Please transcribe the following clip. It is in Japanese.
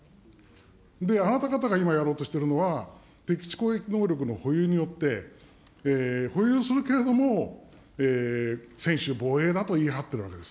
あなた方が今やろうとしているのは、敵基地攻撃能力の保有によって、保有するけれども、専守防衛だと言い張っているわけです。